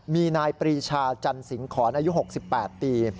มีนายปรีชาจันสิงหอนอายุ๖๘ปี